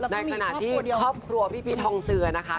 ในขณะที่ครอบครัวพี่พีชทองเจือนะคะ